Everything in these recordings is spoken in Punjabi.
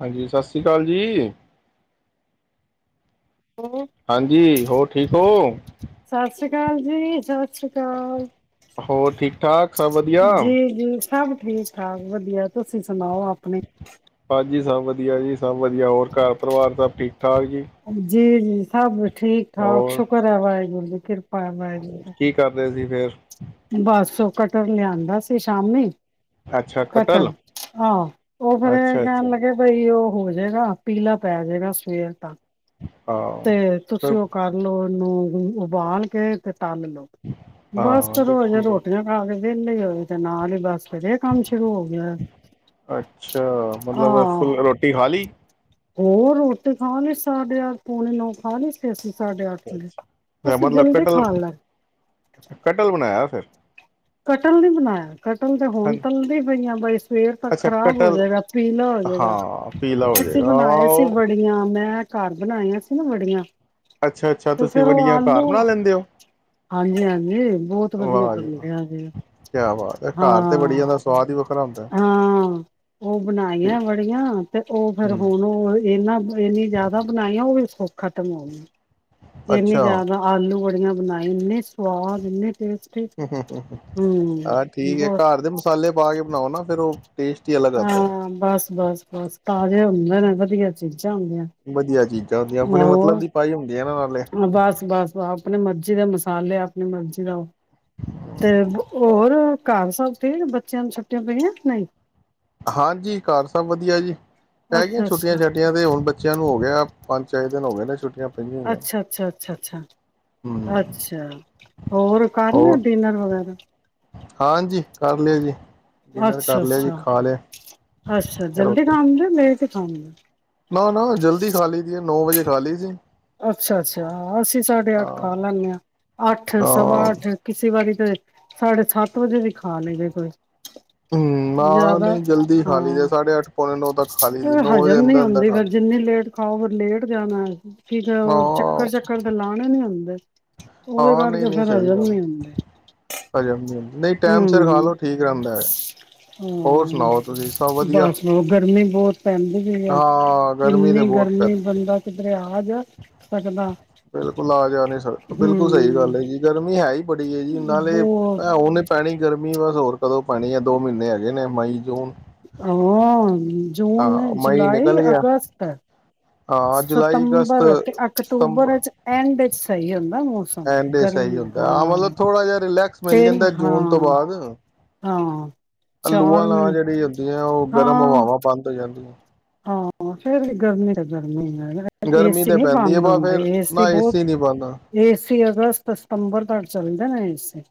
ਹਾਂਜੀ, ਸਤ ਸ਼੍ਰੀ ਕਾਲ ਜੀ। ਹੋਰ ਹਾਂਜੀ, ਹੋਰ ਠੀਕ ਹੋ? ਸ ਸ਼੍ਰੀ ਕਾਲ ਜੀ। ਸ੍ਰੀ ਅਕਾਲ। ਹੋਰ ਠੀਕ ਠਾਕ, ਸਭ ਵਧੀਆ? ਜੀ ਜੀ ਸਭ ਠੀਕ ਠਾਕ, ਵਧੀਆ। ਤੁਸੀਂ ਸੁਣਾਓ ਆਪਣੇ? ਹਾਂਜੀ, ਸਭ ਵਧੀਆ ਜੀ ਸਭ ਵਧੀਆ। ਹੋਰ ਘਰ ਪਰਿਵਾਰ ਸਭ ਠੀਕ ਠੀਕ ਠਾਕ ਜੀ। ਜੀ ਸਭ ਠੀਕ ਠਾਕ ਹੋਰ ਸ਼ੁਕਰ ਹੈ ਵਾਹੇਗੁਰ ਕਿਰਪਾ - ਬਾਏ ਬਾਏ ਜੀ ਕੀ ਕਰ ਰਹੇ ਸੀ ਫੇਰ ਬਸ ਉਹ ਕਠਲ ਲਿਆਂਦਾ ਸੀ ਸ਼ਾਮੀ ਅੱਛਾ ਕਟਲ ਕਠਲ ਆਹ ਉਹ ਫੇਰ ਅੱਛਾ ਅੱਛਾ ਕਹਿਣ ਲੱਗੇ ਬਈ ਉਹ ਹੋ ਜਾਏਗਾ ਪੀਲਾ ਪੈ ਜਾਏਗਾ ਸਵੇਰ ਤਕ ਹਾਂ ਤੇ ਫਿਰ ਤੁਸੀਂ ਉਹ ਕਰਲੋ ਇਹਨੂੰ ਉਬਾਲ ਕੇ ਤੇ ਤਲ ਲਓ, ਬਸ ਹਾਂ ਤੇ ਕਰੋ ਹਜੇ ਠੀਕ ਹੈ ਰੋਟੀਆਂ ਖਾ ਕੇ ਵਿਹਲੇ ਹੋ ਤੇ ਨਾਲ ਹੀ ਬਸ ਫੇਰ ਇਹ ਕੰਮ ਸ਼ੁਰੂ ਹੋ ਗਿਆ ਐ ਅੱਛਾ ਆ ਮਤਲਬ ਫੁੱਲ ਰੋਟੀ ਖਾ ਲਈ ਹੋਰ ਰੋਟੀ ਖਾ ਲਈ ਸਾਡੇ ਅਠ ਪੌਣੇ ਨੌ ਖਾ ਲਈ ਸੀੇ ਅਸੀਂ ਸਾਢੇ ਅੱਠ ਵਜੇ ਅੱਛਾ ਅ ਅਸੀਂ ਮਤਲਬ ਜਲਦੀ ਕਠਲ ਖਾਣ ਲੱਗ ਕਠਲ ਬਣਾਇਆ ਫਿਰ ਕਠਲ, ਨੀ ਬਣਾਇਆ ਕਠਲ ਤੇ ਹੁਣ ਹਾਂਜੀ ਤਲਦੀ ਪਈਆਂ, ਬਈ ਸਵੇਰ ਤਕ ਅੱਛਾ ਖ਼ਰਾਬ ਹੋ ਕਟਲ ਜਾਏਗਾ ਪੀਲਾ ਹੋ ਜਾਏਗਾ, ਹਾਂ ਪੀਲਾ ਤੇ ਹੋ ਅਸੀਂ ਜਾਏਗਾ ਬਣਾਏ ਆਹ ਸੀ ਉਹ- ਵੜੀਆਂ ਮੈਂ ਘਰ ਬਣਾਈਆਂ ਸੀ ਨਾ ਵੜੀਆਂ ਅੱਛਾ ਅੱਛਾ ਤੇ ਤੁਸੀਂ ਫੇਰ ਉਹ ਵੜੀਆਂ ਘਰ ਆਲੂ, ਬਣਾ ਲੈਂਦੇ ਹੋ ਹਾਂਜੀ ਹਾਂਜੀ ਬਹੁਤ ਵਧੀਆ ਵਾਹ ਜੀ ਵਾਹ ਬਣੇ ਹਾਂ ਜੀ, ਕਿਆ ਬਾਤ ਹੈ ਘਰ ਤੇ ਹਾਂ ਵੜੀਆਂ ਦਾ ਸਵਾਦ ਹੀ ਵੱਖਰਾ ਹੁੰਦਾ ਹੈ। ਹਾਂ ਹਾਂ ਉਹ ਠੀਕ ਬਣਾਈਆਂ ਵੜੀਆਂ ਤੇ ਉਹ ਫੇਰ ਹੂੰ, ਹੁਣ ਉਹ ਇਹਨਾ ਇਨੀ ਜ਼ਿਆਦਾ ਬਣਾਈਆਂ ਉਹ ਵੀ ਖਤਮ ਹੋ ਗਈ ਕਿਨੀ ਅੱਛਾ ਜ਼ਿਆਦਾ ਆਲੂ ਵੜੀ ਬਣਾਈ ਇੰਨੇ ਸਵਾਦ ਇੰਨੇ ਟੇਸਟ ਹੂ ਹੂ ਮ ਆਹ ਠੀਕ ਹੈ, ਬਹੁਤ ਘਰ ਦੇ ਮਸਾਲੇ ਪਾ ਕੇ ਬਣਾਓ ਨਾ ਔ ਫਿਰ ਔ ਹਾਂ ਬਸ ਬਸ ਬਸ ਤਾਜ਼ੇ ਹੁੰਦੇ ਨੇ ਫੇਰ [unintelligible] ਵਧੀਆ ਚੀਜ਼ਾਂ ਹੁੰਦੀਆਂ ਆਪਣੇ ਮਤਲਬ ਦੀ ਪਾਈ ਹੁੰਦੀ ਐ ਨਾ ਨਾਲ ਹਾਂ ਬਸ ਬਸ ਬੱਸ ਆਪਣੇ ਮਰਜੀ ਦੇ ਮਸਾਲੇ ਆਪਣੀ ਮਰਜੀ ਦਾ ਓਹ ਤੇ ਹੋਰ ਘਰ ਸਭ ਤੇਰੇ ਬੱਚਿਆਂ ਨੂੰ ਛੱਟੀਆਂ ਪਈਆਂ ਨਹੀਂ ਹਾਂਜੀ ਘਰ ਸਭ ਵਧੀਆ ਜੀ ਪਹਿ ਗੀਆਂ ਅੱਛਾ ਛੁਟੀਆਂ ਅੱਛਾ ਛਟੀਆਂ ਤੇ ਹੁਣ ਬੱਚਿਆਂ ਨੂੰ ਹੋ ਗਿਆ ਪੰਜ ਛੇ ਦਿਨ ਹੋ ਗਏ ਨੇ ਛੁੱਟੀ ਅੱਛਾ ਅੱਛਾ ਅੱਛਾ ਅੱਛਾ ਹਮ ਅੱਛਾ ਹੋਰ ਕਰ ਲ ਹੋਰ ਡਿਨਰ ਵਗੈਰਾ ਹਾਂਜੀ ਕਰ ਲਿਓ ਜੀ ਡਿਨਰ ਕਰ ਅੱਛਾ ਲਿਆ ਜੀ ਅੱਛਾ ਖਾ ਲਿਆ ਅੱਛਾ ਜਲਦੀ ਰੋਟੀ ਖਦੇ ਮੇਰੇ ਤੇ ਹਾਂਜੀ ਨਾ ਨਾ ਜਲਦੀ ਖਾਲੀ ਦੀ ਨੌ ਵਜੇ ਖਾਲੀ ਸੀ ਅੱਛਾ ਅੱਛਾ ਅਸੀਂ ਸਾਡੇ ਅੱਠ ਹਾਂ ਖਾ ਲੈਂਦੇ ਹਾਂ ਅੱਠ ਸਵਾ ਹਾਂ ਅੱਠ ਕਿਸੇ ਵਾਰੀ ਤਾਂ ਸਾਢੇ ਸੱਤ ਵਜੇ ਖਾ ਲਈਦੇ ਕੋਈ ਹਮ ਨਾ ਜ਼ਿਆਦਾ ਨਹੀਂ ਜਲਦੀ ਖਾਲੀ ਹਾਂ ਦੇ ਸਾਢੇ ਅੱਠ ਪੌਣੇ ਨੌ ਤੱਕ ਖਾਲੀ ਦੀ ਨੌ ਵਜੇ ਅੰਦਰ ਅੰਦਰ ਖਾਲੀ ਾ ਫਿਰ ਲੇਟ ਜਾਣਾ ਹੈ ਸੀ ੀਕ ਉਹ ਚੱਕਰ ਚੱਕਰ ਤਾਂ ਲਾਣਾ ਨੀ ਹੁੰਦਾ ਉਹਦੇ ਕਰਕੇ ਫੇਿਰ ਹਜਮ ਨ ਆਉਂਦੇ ਹਜੀ ਹ ਹਜੀ ਹਮ ਹੋਰ ਹਾਂ ਸੁਣਾਓ ਤੁਸੀਂ ਸਭ ਵਧੀਆ ਬਸ ਉਹ ਗਰਮੀ ਬਹੁਤ ਪੈਂਦੀ ਵੀ ਹੈ ਹਾਂ ਗਰਮੀ ਤਾਂ ਕਿੰਨੀ ਬਹੁਤ ਗਰਮੀ ਪੈਂਦੀ ਹੈ ਬੰਦਾ ਕਿਧਰਿਆ ਆ ਜਾ ਸਕਦਾ ਬਿਲਕੁਲ ਆ ਜਾ ਬਿਲਕੁਲ ਸਹੀ ਹੂੰ ਗੱਲ ਹੈ ਜੀ ਗਰਮੀ ਹੈ ਹੀ ਬੜੀ ਹੈ ਜੀ ਨਾਲੇ ਬਹੁਤ ਮ ਉਹਨੇ ਪੈਣੀ ਗਰਮੀ ਬਸ ਹੋਰ ਕਦੋਂ ਪੈਣੀ ਹੈ ਦੋ ਮਹੀਨੇ ਹੈਗੇ ਨੇ ਮਈ ਜੂਨ ਆ ਹਾਂ ਜੂਨ ਮਈ ਜੁਲਾਈ ਨਿਕਲ ਗਿਆ ਅਗਸਤ ਹਾਂ ਜੁਲਾਈ ਅਗਸਤ ਸਤੰਬਰ ਤੇ ਅਕਤੂਬਰ ਚ ਐਂਡ ਚ ਸਹੀ ਹੁੰਦਾ ਮੌਸਮ ਐਦੇ ਸਹੀ ਗਰਮੀ ਹੁੰਦਾਾਂ ਹਾਂ ਮਤਲਬ ਥੋੜਾ ਜਿ ਰਿਲੈਕਸ ਮਿਲ ਤਿੰਨ ਜਾਂਦਾ ਜੂਨ ਤੋਂ ਹਾਂ ਬਾਅਦ ਹਾਂ ਆਲੂਆਂ ਚਾਰ ਲਾ ਮ ਜਿਹੜੀ ਹੁੰਦੀਆਂ ਉਹ ਗਰਮ ਹਾਂ ਹਵਾਵਾਂ ਬੰਦ ਹੋ ਜਾਂਦੀਆਂ ਹਾਂ ਫੇਰ ਵੀ ਗਰਮੀ ਗਰਮੀ ਗਰਮੀ ਏਸੀ ਤੇ ਨਹੀਂੀ ਪੈਂਦੀ ਹੈ ਬੰਦ ਬ ਹੁੰਦੇ ਫੇਰ ਏਸੀ ਨਾ ਬਹੁਤ ਨਹੀਂ ਪਾਉਂਦਾ ਏਸੀ ਅਗਸਤ ਸਤੰਬਰ ਤੱਕ ਚੱਲਦਾ ਨਾ ਏ [unintelligible]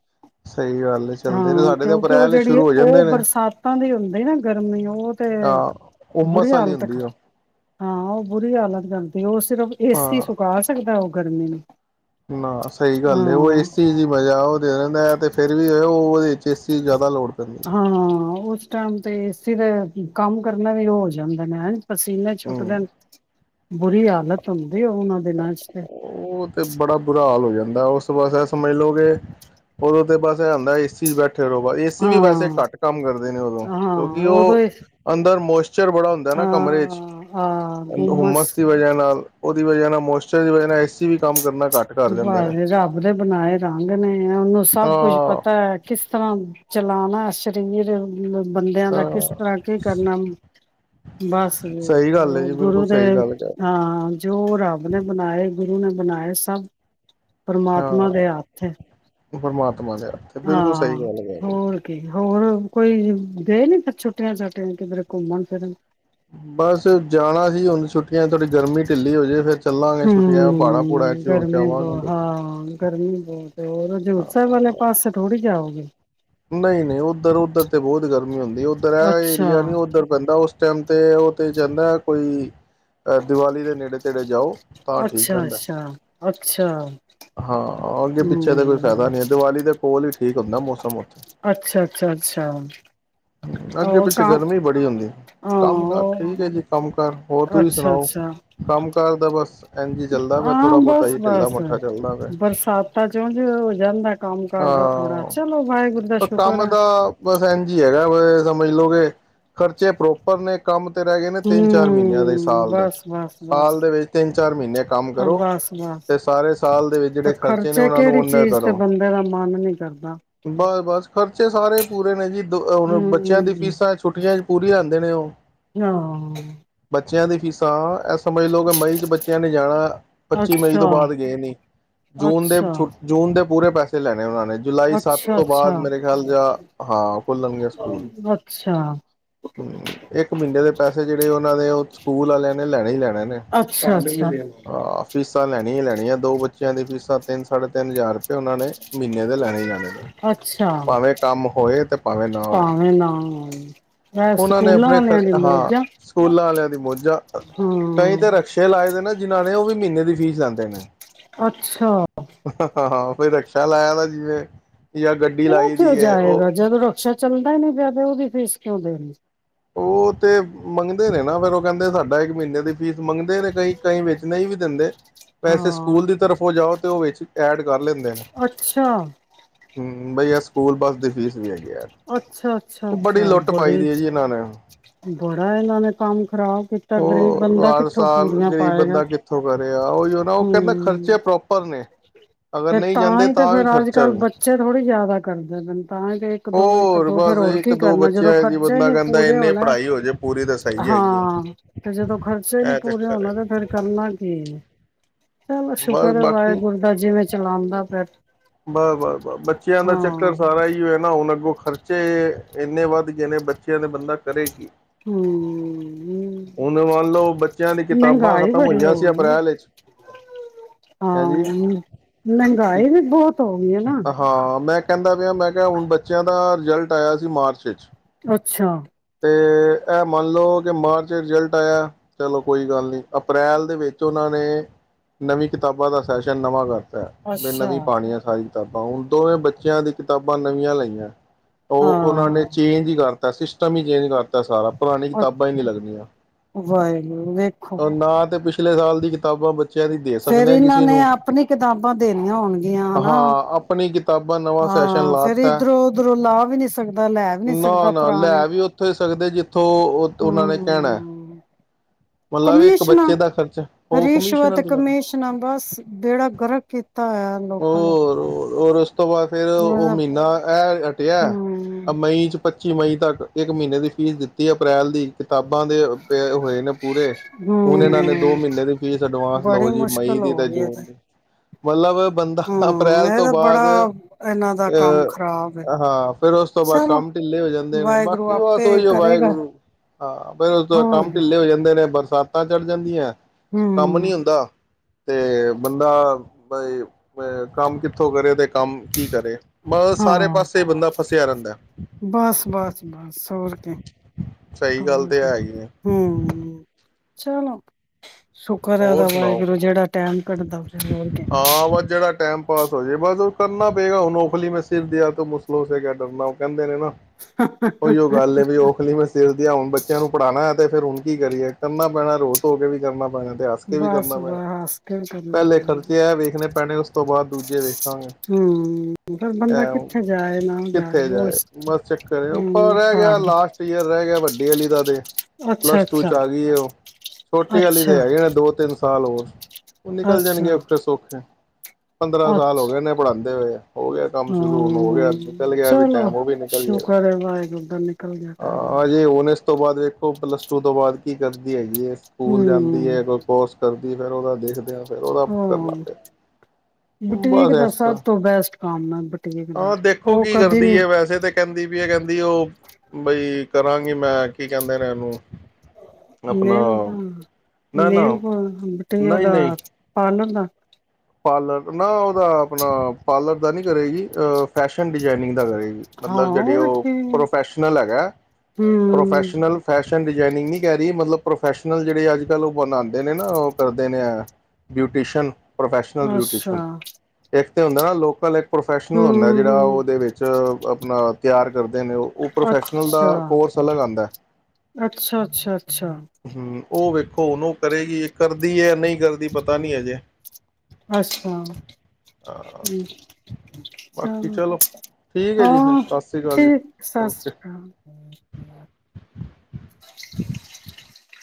ਸਹੀ ਗੱਲ ਹੈ ਚੱਲਦੇ ਨੇ ਹਾਂ ਸਾਡੇ ਤੇ ਕਿਉਂਕਿ ਉਹ ਅਪ੍ਰੈਲ ਜਿਹੜੀ ਸ਼ੁਰੂ ਹੋ ਉਹ ਜਾਂਦੇ ਨੇ ਬਰਸਾਤਾਂ ਦੀ ਹੁੰਦੀ ਨਾ ਗਰਮੀ ਉਹ ਤੇ ਹਾਂ ਬੁਰੀ ਉਮਸ ਵਾਲੀ ਹਾਲਤ ਹੁੰਦੀ ਉਹ ਹਾਂ ਉਹ ਬੁਰੀ ਹਾਲਤ ਕਰਦੀ [unintelligible] ਸਿਰਫ ਏਸੀ ਹਾਂ ਸੁਕਾ ਸਕਦਾ ਉਹ ਗਰਮੀ ਨੂੰ [unintelligible] ਨਾ ਸਹੀ ਗੱਲ ਉਹ ਹਾਂ ਇਸ ਚੀਜ਼ ਦੀ ਮਜਾ ਉਹ ਦੇ ਰਹਿੰਦਾ ਹੈ ਤੇ ਫੇਰ ਵੀ ਉਹ ਉਹਦੇ ਵਿੱਚ ਏਸੀ ਦੀ ਜ਼ਿਆਦਾ ਲੋੜ ਪੈਂਦੀ ਹੈ। ਹਾਂ ਉਸ ਟਾਈਮ ਤੇ ਇਸੇ ਤਾਂ ਕੰਮ ਕਰਨਾ ਵੀ ਹੋ ਜਾਂਦਾ ਨੇ। ਪਸੀਨੇ ਛੁੱਟਦੇ ਹਮ ਨੇ। ਬੁਰੀ ਹਾਲਤ ਹੁੰਦੀ ਉਹਨਾਂ ਦਿਨਾਂ ਚ ਤੇ ਉਹ ਤੇ ਬੜਾ ਬੁਰਾ ਹਾਲ ਹੋ ਜਾਂਦਾ ਮੈਂ ਉਸ ਵਾਸਤੇ ਸਮੇਲੋਗੇ ਉਦੋਂ ਤਾਂ ਬਸ ਹੁੰਦਾ ਕਿ ਏਸੀ ਬੈਠੇ ਚਲੋ ਏਸੀ ਵੀ ਵੈਸੇ ਹਾਂ ਘੱਟ ਕੰਮ ਕਰਦੇ ਨੇ ਉਦੋਂ ਹਾਂ ਕਿਉਂਕਿ ਉਦੋਂ ਉਹ ਹੀ ਅੰਦਰ ਮੋਸਚਰ ਬੜਾ ਹੁੰਦਾ ਨਾ ਕਮਰੇ ਚ ਹਾਂ ਹਾਂ ਗੁੰਮਸ ਹੂਮਸ ਦੀ ਵਜਹਾ ਨਾਲ ਦੀ ਵਜ੍ਹਾ ਨਾਲ ਮੋਸਚਰ ਦੀ ਵਜ੍ਹਾ ਨਾਲ ਐਸੀ ਵੀ ਕੰਮ ਕਰਨਾ ਘੱਟ ਕਰ ਦਿੰਦੇ ਨੇ ਬਸ ਰੱਬ ਦੇ ਬਣਾਏ ਰੰਗ ਨੇ ਉਹਨੂੰ ਹਾਂ ਸਭ ਕੁਛ ਪਤਾ ਹੈ ਕਿਸ ਤਰ੍ਹਾਂ ਚਲਾਣਾ ਸਰੀਰ ਬੰਦਿਆਂ ਦਾ ਕਿਸ ਹਾਂ ਤਰ੍ਹਾਂ ਕੀ ਕਰਨਾ ਬਸ ਸਹੀ ਗੱਲ ਹੈ ਜੀ ਬਿਲਕੁਲ ਗੁਰੂ ਦੇ ਸਹੀ ਗੱਲ ਕਹਿ ਰਹੇ, ਹਾਂ ਜੋ ਰੱਬ ਨੇ ਬਣਾਏ ਗੁਰੂ ਨੇ ਬਣਾਏ ਸਭ ਪਰਮਾਤਮਾ ਦੇ ਹਾਂ ਹੱਥ ਏ ਪਰਮਾਤਮਾ ਦੇ ਹੱਥ ਬਿਲਕੁਲ ਹਾਂ ਸਹੀ ਗੱਲ ਕਹਿ ਰਹੇ ਹੋਰ ਕੀ ਹੋਰ ਕੋਈ ਗਏ ਨੀ ਛੁੱਟੀਆਂ ਛਾਟੀਆਂ ਕਿਧਰ ਘੁੰਮਣ ਫਿਰਨ ਬਸ ਜਾਣਾ ਸੀ ਹੁਣ ਛੁੱਟੀਆਂ ਥੋੜੀ ਗਰਮੀ ਢਿੱਲੀ ਹੋ ਜਾਏ ਫੇਰ ਹੂੰ ਗਰਮੀ ਬਹੁਤ ਆਵਾਂਗੇ ਹਾਂ ਗਰਮੀ ਬਹੁਤ ਹੋਰ ਹਜ਼ੂਰ ਸਾਹਿਬ ਹਾਂ ਵਾਲੇ ਪਾਸੇ ਥੋੜ੍ਹੀ ਜਾਓਗੇ। [unintelligible] ਨਹੀਂ ਨਹੀਂ ਉੱਧਰ ਉਧਰ ਤੇ ਬਹੁਤ ਗਰਮੀ ਏ। ਹੁੰਦੀ ਉੱਧਰ ਇਹ ਅੱਛਾ ਏਰੀਆ ਨੀ ਉੱਧਰ ਪੈਂਦਾ ਉਸ ਟਾਈਮ ਤੇ ਉਹ ਤੇ ਜਾਂਦਾ ਕੋਈ ਦਿਵਾਲੀ ਦੇ ਨੇੜੇ ਤੇੜੇ ਜਾਓ ਤਾਂ ਠੀਕ ਅੱਛਾ ਰਹਿੰਦਾ। ਅੱਛਾ ਅੱਛਾ ਹਾਂ ਅੱਗੇ ਪਿੱਛੇ ਤਾਂ ਕੋਈ ਫਾਇਦਾ ਹਮ ਨਹੀਂ ਹੈ ਦੀਵਾਲੀ ਦੇ ਕੋਲ ਹੀ ਠੀਕ। ਠੀਕ ਹੁੰਦਾ ਮੌਸਮ ਅੱਛਾ ਅੱਛਾ ਅੱਛਾ ਅੱਗੇ ਉਹ ਕ ਪਿੱਛੇ ਹਾਂ ਗਰਮੀ ਬੜੀ ਹੁੰਦੀ ਕੰਮ ਕਰ ਉਹ ਠੀਕ ਹੈ ਜੀ ਕੰਮ ਕਰ ਹੋਰ ਤੁਸੀਂ ਅੱਛਾ ਸੁਣਾਓ ਅੱਛਾ ਘਰ ਦਾ ਬਸ ਇੰਝ ਹੀ ਚੱਲਦਾ ਪਿਆ ਹਾਂ ਥੋੜ੍ਹਾ ਬਹੁਤਾ ਬਸ ਹੀ ਢਿੱਲਾ ਬਸ ਮੱਠਾ ਚੱਲਦਾ ਪਿਆ ਬਰਸਾਤਾਂ ਚ ਉੰਝ ਹੋ ਜਾਂਦਾ ਕੰਮ ਕਾਰ ਦਾ ਥੋੜਾ ਚਲੋ ਵਾਹਿਗੁਰੂ ਦਾ ਹਾਂ ਸ਼ੁਕਰ ਕੰਮ ਹੈ। ਤਾਂ ਬਸ ਇੰਝ ਹੀ ਹੈਗਾ ਮ ਲੋਕਗੇ ਖਰਚੇ ਪ੍ਰੋਪਰ ਨੇ ਕੰਮ ਤੇ ਰਹਿ ਗਏ ਨੇ ਤਿੰਨ ਚਾਰ ਮਹੀਨਿਆਂ ਦੇ ਹੂੰ ਸਾਲ ਦੇ ਬਸ-ਬਸ-ਬਸ ਸਾਲ ਦੇ ਵਿੱਚ ਤਿੰਨ ਚਾਰ ਮਹੀਨੇ ਕੰਮ ਕਰੋ ਬਸ-ਬਸ ਤੇ ਸਾਰੇ ਸਾਲ ਦੇ ਵਿੱਚ ਤੇ ਜਿਹੜੇ ਖਰਚੇ ਨੇ ਉਹਨਾਂ ਨੂੰ ਕਿਹੜੀ ਓਨ ਚੀਜ਼ ਤੇ ਕਰੋ ਬੰਦੇ ਦਾ ਮਨ ਨੀ ਕਰਦਾ ਬਸ ਬਸ ਖਰਚੇ ਸਾਰੇ ਪੂਰੇ ਨਜ਼ੀ ਹੁਣ ਬੱਚਿਆਂ ਦੀ ਹੂੰ ਫੀਸਾਂ ਛੁੱਟੀਆਂ ਚ ਪੂਰੀ ਆਦੇ ਨੇ ਉਹ ਹਾਂ ਬੱਚਿਆਂ ਦੀ ਫੀਸਾਂ ਇਹ ਸਮਝ ਲੋਓ ਕਿ ਮਈ ਚ ਬੱਚਿਆਂ ਨੇ ਜਾਣਾ ਪੱਚੀ ਮਈ ਤੋਂ ਬਾਅਦ ਗਏ ਨੀ ਜੂਨ ਦੇ ੁ ਅੱਛਾ-ਅੱਛਾ ਜੂਨ ਦੇ ਪੂਰੇ ਪਾਸੇ ਉਹ ਨੇ ਜੁਲਾਈ ਸੱਤ ਤੋਂ ਬਾਅਦ ਅੱਛਾ-ਅੱਛਾ ਮੇਰੇ ਖਿਆਲ ਜਾ ਹਾਂ ਖੁਲਣਗੇ ਸਕੂਲ ਅੱਛਾ ਹਮ ਇੱਕ ਮਹੀਨੇ ਦੇ ਪੈਸੇ ਜਿਹੜੇ ਉਹਨਾਂ ਦੇ ਉਹ ਸਕੂਲ ਵਾਲਿਆਂ ਨੇ ਲੈਣੇ ਹੀ ਲੈਣੇ ਨੇ ਅੱਛਾ-ਅੱਛਾ ਅੱਛਾ ਅੱਛਾ ਅੱਛਾ ਫੀਸ ਫਸ ਲੈੀਆਂ ਹੀੈੀਆਂ ਦੋ ਬ ਦੀ ਫੀਸ ਤਿੰਨ ਸਾਢੇ ਤਿੰਨ ਹਜ਼ਾਰ ਕੇਉਂਣੇ ਮਹੀਨੇ ਦੇ ਲੈਣੇ ਹੀ ਜਾਣੇ ਨੇ ਅੱਛਾ ਭਾਵੇਂ ਕੰਮ ਹੋਏ ਤੇ ਭਾਵੇਂ ਨਾ ਹੋਏ ਭਾਵੇਂ ਨਾ ਆਉਣ ਵੈਸੇ ਉਹਨਾਂ ਨੇ ਸਕੂਲਾਂ ਆਪਣੇ ਵਾਲਿਆਂ ਦੀ ਹਾਂ ਮੌਜਾਂ ਸਕੂਲਾਂ ਵਾਲਿਆਂ ਦੀ ਮੋਝਾ ਕਈ ਹਾਂ ਤੇ ਰਕਸ਼ੇ ਲਾਏ ਦੇ ਨਾ ਜਿਹਨਾਂ ਉਹ ਵੀ ਮਹੀਨੇ ਦੀ ਫੀਸ ਲੈਂਂਦੇ ਨੇ ਅੱਛਾ ਹੋਈੱੀ ਲਾਇਆ ਦਾ ਜਿਵੇਂ ਜਾਂ ਗੱਡੀ ਇਹ ਲਾਈ ਕਿਂ ਦੀ ਹੈ ਉਹ ਜਾਏਗਾ ਜਦੋਂ ਰਕਸ਼ਾ ਚੱਲਦਾ ਹੀ ਨਹੀਂੀ ਪਿਆ ਤੇ ਉਹਦੀ ਫੀਸ ਕਿਉਂ ਦੇਣੀ ਉਹ ਤੇ ਮੰਗਦੇ ਨੇ ਨਾ ਫੇਿਰ ਉਹ ਕਹਿੰਦੇ ਸਾਡਾ ਇੱਕ ਮਹੀਨੇ ਦੀ ਫੀਸ ਮੰਗਦੇ ਨੇ ਕਈ ਕਈ ਵੇਚਣੇ ਹੀ ਵੀ ਦਿੰਦੇ ਵੈਸੇ ਹਾਂ ਸਕੂਲ ਦੀ ਤਰਫ ਹੋ ਜਾਓ ਤੇ ਉਹ ਵੇ ਐਡ ਕਰ ਲੈਂਦੇ ਨਾ ਅੱਛਾ ਹਮ ਬਈ ਯਾਰ ਸਕੂਲ ਬੱਸ ਦੀ ਫੀਸ ਵੀ ਹੈ ਅੱਛਾ ਅੱਛਾ ਬੜੀ ਅੱਛਾ ਲੁੱਟ ਪਾਈ ਬੜੀ ਦੀ ਹੈ ਜੀ ਇਹਨਾਂ ਨੇ ਬੜਾ ਹੈ ਨੈਂ ਕੰਮ ਖ਼ਰਾਬ ਕੀਤਾ ਗ਼ਰੀਬ ਉਹ ਬੰਦਾ ਹਰ ਕਿੱਥੋਂ ਸਾਲ ਪੂਰੀਆਂ ਗ਼ਰੀਬ ਪਾਏਗਾ ਬੰਦਾ ਕਿੱਥੋਂ ਕਰੇਗਾ ਉਹੀ ਨਾ ਉਹ ਕਹਿੰਦਾ ਹਮ ਖਰਚੇ ਪ੍ਰੋਪਰ ਨੇ ਅਗਰ ਫ ਨਹੀਂ ਤਾਂ ਜਾਂਦੇ ਹੀ ਤੇ ਫੇਰ ਵੀ ਅੱਜ ਖਰਚਾ ਕੱਲ ਵੀ ਬੱਚੇ ਥੋੜੇ ਜਿਆਦਾ ਕਰਦੇ ਪਨ ਤਾਂ ਹੀ ਤੇ ਦੋ ਇੱਕ ਹੋਰ ਦੋ ਫੇਰ ਬਸ ਹੋਰ ਇੱਕ ਕੀ ਦੋ ਕਰਨਾ ਜਦੋਂ ਬੱਚਿਆਂ ਜੀ ਖਰਚੇ ਬੰਨਾ ਨੀ ਕਹਿੰਦਾ ਪੂਰੇ ਇੰਨੇ ਹੋਣੇ ਪੜ੍ਹਾਈ ਹੋ ਜਾੇ ਪੂਰੀ ਤਾਂ ਸਹੀ ਹੈਗੀ ਆ ਹਾਂ ਤੇ ਜਦੋਂ ਖਰਚੇ ਹੀ ਨਹੀਂੀ ਪੂਰੇ ਹੋਣਾ ਤੇ ਫੇਿਰ ਕਰਨਾ ਕੀ ਚਲੋ ਸ਼ੁੱਕਰ ਬਸ ਆ, ਬਾਕੀ ਵਾਹਿਗੁਰੂਦਾ, ਜਿਵੇਂ ਚਲਾਉਂਦਾ, ਬੈਠ। ਬਸ, ਬਸ, ਬੱਸ, ਬੱਚਿਆਂ ਦਾ ਚੱਕਰ ਸਾਰਾ ਹੀ ਹੋਏ ਨਾ, ਹੁਣ ਅੱਗੋਂ ਖਰਚੇ ਇੰਨੇ ਵੱਧ ਗਏ ਨੇ ਬੱਚਿਆਂ ਦੇ ਬੰਦਾ ਕਰੇ ਕੀ ਹਮ ਹੁਣ ਮੰਨ ਲਓ ਬੱਚਿਆਂ ਦੀ ਕਿਤਾਬਾਂ ਮਹਿੰਗਾਈ ਖ਼ਤਮ ਬੜੀ ਹੋਈਆਂ ਸੀ ਹੋਵੇ ਨਾ, ਅਪ੍ਰੈਲ ਵਿੱਚ ਹੈਂਜੀ ਹਾਂ, ਠੀਕ। ਮਹਿੰਗਾਈ ਵੀ ਬਹੁਤ- ਹੋ ਗਈ ਹੈ ਨਾ ਹਾਂ, ਮੈਂ ਕਹਿੰਦਾ ਪਿਆ, ਮੈਂ ਕਿਹਾ ਹੁਣ ਬੱਚਿਆਂ ਦਾ ਰਿਜ਼ਲਟ ਆਇਆ ਸੀ, ਮਾਰਚ 'ਚ। ਅੱਛਾ। ਅਤੇ, ਇਹ ਮੰਨ ਲਓ, ਕਿ ਮਾਰਚ ਰਿਜ਼ਲਟ ਆਇਆ ਚਲੋ ਕੋਈ ਗੱਲ ਨਹੀਂ, ਅਪ੍ਰੈਲ ਦੇ ਵਿੱਚ ਉਹਨਾਂ ਨੇ ਨਵੀਂ ਕਿਤਾਬਾਂ ਦਾ ਸੈਸ਼ਨ ਨਵਾਂ ਕਰਤਾ। ਮ ਅੱਛਾ ਨਵੀਂ ਪਾਣੀ ਆ ਸਾਰੀ ਕਿਤਾਬਾਂ, ਹੁਣ ਦੋਵੇਂ ਬੱਚਿਆਂ ਦੀ ਕਿਤਾਬਾਂ ਨਵੀਆਂ ਲਈਆਂ। ਉਹ, ਉਹਨਾਂ ਨੇ ਹਾਂ ਚੇਂਜ ਹੀ ਕਰਤਾ। ਤਸੀਸ਼ ਮੀ ਦੇੇਣਗਾ ਸਾਰਾ ਪੁਰਾਣੀ ਕਿਤਾਬਾਂ ਹੀ, ਨੀ ਲੱਗਦੀਆਂ, ਵਾਹਿਗੁਰੂ ਵੇਖੋ ਉਹ ਨਾ ਤੇ ਪਛ ਪਿਛਲੇ ਸਾਲ ਦੀ ਕਿਤਾਬਾਂ ਬੱਚਿਆਂ ਦੀ ਦੇ ਫੇਰ ਸਕਦੇ ਹਾਂ ਇਹਨਾਂ ਕਿਸੇ ਨੇ ਨੂੰ ਆਪਣੀ ਕਿਤਾਬਾਂ ਦੇਣੀਆਂ ਹੋਣਗੀਆਂ ਹਨਾ। ਹਾਂ ਆਪਣੀ ਕਿਤਾਬਾਂ ਨਵਾਂ ਸੈਸ਼ਨ ਹਾਂ ਲਾ ਫੇਰ ਤਾ ਇਧਰੋਂ ਉਧਰੋਂ ਲਾ ਵੀ ਨਹੀਂ ਸਕਦਾ ਲੈ ਵੀ ਨਹੀਂ ਨਾ, ਸਕਦਾ ਨਾ ਪੁਰਾਣੇ ਲੈ ਵੀ ਉੱਥੇ ਸਕਦੇ, ਜਿੱਥੋਂ ਉਹਨਾਂ ਨੇ ਕਹਿਣਾ। ਹਮ ਮਤਲਬ ਇੱਕ ਕਮਿਸ਼ਨਾਂ ਬੱਚੇ ਦਾ ਖਰਚ, ਉਹ ਕਮਿਸ਼ਨ ਰਿਸ਼ਵਤ ਕਮਿਸ਼ਨਾਂ ਬਸ ਬੇੜਾ ਗਰਕ ਕੀਤਾ ਹੋਇਆ ਲੋਕਾਂ ਦਾ ਹੋਰਰ ਉਸ ਤੋਂ ਬਾਅਦ ਫਿਰ ਉਹ ਹਮ ਮਹੀਨਾ ਐ ਹਟਿਆ। ਮਈ ਚ ਪ ਪੱਚੀ ਮਈ ਤੱਕ। ਇੱਕ ਮਹੀਨੇ ਦੀ ਫੀਸ ਦਿੱਤੀ ਐ ਅਪ੍ਰੈਲ ਦੀ, ਕਿਤਾਬਾਂ ਦੇ ਪ ਹੋਏ ਨੇ ਪੂਰੇ, ਹੁਣ ਇਹਨਾਂ ਨੇ ਦੋ ਹਮ ਮਹੀਨੇ ਦੀ ਫੀਸ ਅਡਵਾਂਸ ਲਓ ਬੜੀ ਜੀ ਮਈ ਮੁਸ਼ਕਿਲ ਦੀ ਹੋ ਤੇ ਗਈ ਜੂਨ ਦੀ। ਮੱਲਬ ਬੰਦਾ ਹਮ ਅਪ੍ਰੈਲ ਇਹ ਤੋਂ ਤਾਂ ਬਾਅਦ, ਬੜਾ ਇਹਨਾਂ ਦਾ ਕੰਮ ਅਹ ਖ਼ਰਾਬ ਹੈ ਹਾਂ ਫਿਰ ਉਸ ਤੋਂ ਬਾਅ ਚਲੋ ਕੰਮ ਢਿੱਲੇ ਹੋ ਜਾਂਦੇ ਨੇ, ਵਾਹਿਗੁਰੂ ਬਾਕੀ ਬਸ ਆਪੇ ਸੋਹੀ ਹੋ ਕਰੇਗਾ ਵਾਹਿਗੁਰੂ ਹਾਂ ਫ ਉਸ ਤੋਂ ਹੋਰ ਕੰਮ ਢਿੱਲੇ ਹੋ ਜਾਂਦੇ। ਨੇ ਬਰਸਾਤਾਂ ਚੜ ਜਾਂਦੀਆਂ ਕੰਮ ਹਮ ਨੀ ਹੁੰਦਾ। ਅਤੇ ਬੰਦਾ ਬਾਈ ਕੰਮ ਕਿੱਥੋਂ ਕਰੇ, ਅਤੇ ਕੰਮ ਕੀ ਕਰੇ‌ ਮਤ ਸਾਰੇ ਹਾਂ ਪਾਸੇ ਬੰਦਾ ਫਸੇ‌ ਬਸ ਬਸ ਬਸ ਹੋਰ ਕ ਸਹੀ ਗੱਲ ਤੇ ਹੋਰ ਹੈ ਹੀ ਹੈ ਹਮ ਚਲੋ ਸੁੁਖਰ ਹੈਦਾ ਹੋਰ ਸੁਣਾਓ ਵਾਹਿਗੁਰੂ ਜਿਹੜਾ ਟੈਮ ਘਢਦਾ ਜ਼ਰ ਕੇ ਹਾਂ ਬਸ ਜਿਹੜਾ ਟਾਈਮ ਪਾਸ ਹੋ ਜਾਏ ਬਸ ਉਹ ਕਰਨਾ ਪਏਗਾ ਉਹ ਨੌਖਲੀ ਮੈਂ ਸਿਰ ਦ ਤਾਂ ਮੁਸਲੋ ਕਿਆ ਡਰਨਾ ਉਹ ਕਹਿੰਦੇ ਨੇ ਨਾ ਉਓਹੀ ਉਹ ਗੱਲ ਵੀ ਔਖਲੀ ਮੈਂ ਸਿਰ ਦੀ ਹੁਣ ਬੱਚਿਆਂ ਨੂੰ ਪੜ੍ਹਾਉਣਾ ਤੇ ਫਿਰ ਹੁਣ ਕੀ ਕਰੀ ਰੋਤ ਹੋ ਕੇ ਵੀ ਕਰਨਾ ਦੇ ਹੱਸ ਕੇ ਵੀ ਬਸ ਕਰਨਾ ਪੈਣਾ ਬਸ ਹੱਸ ਕੇ ਕਰਨਾ ਪਹਿਲੇ ਖਰਚ ਵੇਖਣੇ ਪੈਣੇ ਤੋਂ ਬਾਅਦ ਦੂਜੇ ਵੇ ਹਾਂ ਹਮ ਫਿਰ ਐ ਬੰਦਾ ਕਿੱਥੇ ਜਾਏ ਨਾ ਕਿੱਥੇ ਉਹ ਜਾਏ ਬਸ ਚੱਕਰ ਆਪਾਂ ਰਹਿ ਗਿਆ ਹਮ ਘਰ ਲਾਸਟ ਈਅਰ ਰਹਿ ਗਿਆ ਵੱਡਾ ਲ ਲ ਦੇਦੇ ਅੱਛਾ ਪਲੱਸ ਟੂ ਚ ਅੱਛਾ ਆ ਗਈ ਹੈ ਉਹ ਛੋਟੀ ਵਾਲੀ ਅੱਛਾ ਹੈਗੇ ਨੇ ਦੋ ਤਿੰਨ ਸਾਲ ਹੋਰ ਨਿਕਲ ਜਾਣਗੇ ਅੱਛਾ ਔਖੇ ਸੌਖੇ ਪੰਦਰਾਂ ਸਾਲ ਅੱਛਾ ਹੋ ਗਏ ਉਹਨੇ ਪੜ੍ਹਾਂਦੇ ਹੋਏ ਹੋ ਗਿਆ ਕੰਮ ਸ਼ੁਰੂ ਹੁਣ ਹੋ ਗਿਆ ਨਿਕਲ ਗਿਆ ਵੀ ਚਲੋ ਟਾਈਮ ਉਹ ਵੀ ਨਿਕਲ ਜਾਏਗਾ ਸ਼ੁਕਰ ਵਾਹਿਗੁਰੂ ਦਾ ਨਿਕਲ ਗਿਆ ਤਾ ਹਾਂ ਹਜੇ ਹੁਣ ਇਸ ਤੋਂ ਬਾਅਦ ਵੇਖੋ ਪਲੱਸ ਟੂ ਤੋਂ ਬਾਅਦ ਕੀ ਕਰਦੀ ਆਈ ਸਕੂਲ ਦੀ ਹੂੰ ਹੈ ਕੋਈ ਕੋਰਸ ਕਰ ਫੇਰ ਉਹਦਾ ਦੇਖਦੇ ਆ ਫਿਰ ਉਹਦਾ ਕਰਨਾ ਪਿਆ ਬਸ ਟੀਕ ਇਸ ਦੱਸਣ ਤਰ੍ਹਾਂ ਤੋਂ ਬੈਸਟ ਹਾਂ ਕਾਮਨਾ ਦੇਖੋ ਉਹ ਕੀ ਕਦੇ ਕਰਦੀ ਨਹੀਂ ਹੈ ਵੈਸੇ ਤਾਂ ਕਹਿੰਦੀ ਵੀ ਇਹ ਕਹਿੰਦੀ ਉਹ ਬਈ ਕਰਾਂਗੀ ਮੈਂ ਕੀ ਕਹਿੰਦੇ ਨੇ ਇਹਨੂੰ ਆਪਣਾ ਨ ਤਾਂ ਨਾ ਨਾ [unintelligible] ਤੇ ਉਹਦਾ ਪਾਨ ਨਾ ਪਾਲਣ ਨਾ ਉਹਦਾ ਆਪਣਾ ਪਾਰਲਰ ਤਾਂ ਨਹੀਂ ਕਰੇਗੀ ਫੈਸ਼ਨ ਡਿਜ਼ਾਇਨਿੰਗ ਦਾ ਕਰੇ ਹਾਂ ਮਤਲਬ ਜਿਹੜੀ ਵੀ ਉਹ ਠੀਕ ਹੈ ਪ੍ਰੋਫੈਸ਼ਨਲ ਹੈਗਾ ਹੂੰ ਪ੍ਰੋਫੈਸ਼ਨਲ ਫੈਟ ਫੈਸ਼ਨ ਡਿਜ਼ਾਇਨਿੰਗ ਨਹੀਂ ਕਹਿ ਰਹੀ ਮਤਲਬ ਪ੍ਰੋਫੈਸ਼ਨਲ ਜਿਹੜੇ ਅੱਜ ਕੱਲ ਉਹ ਬਣਾਉਂਦੇ ਨੇ ਨਾ ਉਹ ਕਰਦੇ ਨੇ ਬਿਊਟੀਸ਼ਨ ਪ੍ਰੋਫੈਸ਼ਨਲ ਬਿਊਟੇਸ਼ਨ ਅੱਛਾ ਹੁੰਦਾ ਨਾ ਲੋਕਲ ਪ੍ਰੋਫੈਸ਼ਨਲ ਹੂੰ ਹੁੰਦਾ ਜਿਹੜਾ ਹੂੰ ਉਹਦੇ ਵਿੱਚ ਆਪਣਾ ਤਿਆਰ ਕਰਦੇ ਨੇ ਉਹ ਉਹ ਪ੍ਰੋਫੈਸ਼ਨਲ ਦਾ ਅੱਛਾ ਕੋਰਸ ਅਲੱਗ ਆਉਂਦਾ ਅੱਛਾ ਅੱਛਾ ਅੱਛਾ ਹਮ ਉਹ ਖੋਨੂੰ ਕਰੇਗੀ ਕਰਦੀ ਹੈ ਨਹੀਂ ਕਰਦੀ ਦੀ ਪਤਾ ਨਹੀਂ ਅਜੇ ਅੱਛਾ ਹਾਂ ਚਲੋ ਠੀਕ ਹੈ ਜੀ ਫਿਰ ਹਾਂ ਸਤਿ ਸ਼੍ਰੀ ਅਕਾਲ ਜੀ ਠੀਕ ਸਤਿ ਓਕੇ ਸ੍ਰੀ ਅਕਾਲ